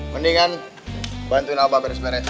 mendingan bantuin abah beres beres